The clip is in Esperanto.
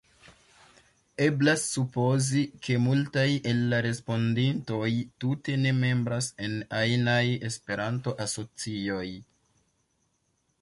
Eblas supozi, ke multaj el la respondintoj tute ne membras en ajnaj Esperanto-asocioj.